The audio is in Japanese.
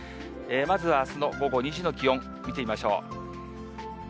まずはあすの午後２時の気温、見てみましょう。